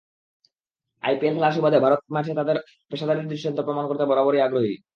IPL খেলার সুবাদে ভারত মাঠে তাদের পেশাদারির দৃষ্টান্ত প্রমাণ করতে বরাবরই আগ্রহী।